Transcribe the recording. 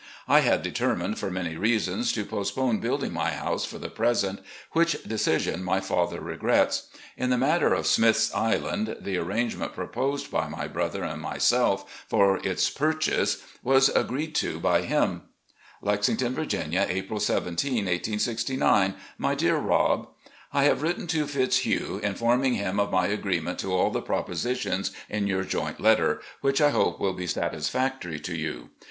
I had deter mined for many reasons to postpone building my house for the present, which decision my father regrets. In the matter of Smith's Island, the arranciement proposed 344 RECOLLECTIONS OP GENERAL LEE by my brother and mysdf for its purchase was agreed to by him; "Lexington, Virginia, April 17, 1869. " My Dear Rob: I have written to Fitzhugh, informing him of my agreement to aU the propositions in your joint letter, which I hope will be satisfactory to you.